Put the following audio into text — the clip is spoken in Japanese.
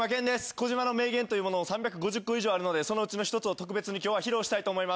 小島の名言というものが３５０個以上あるのでそのうちの１つを特別に今日は披露したいと思います。